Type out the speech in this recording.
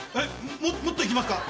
もっといきますか？